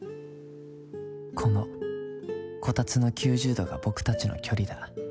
このこたつの９０度が僕たちの距離だ。